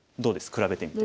比べてみて。